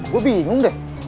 gue bingung deh